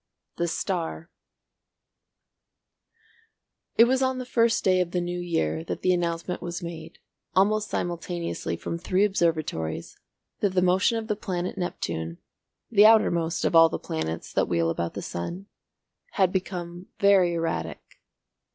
THE STAR It was on the first day of the New Year that the announcement was made, almost simultaneously from three observatories, that the motion of the planet Neptune, the outermost of all the planets that wheel about the sun, had become very erratic.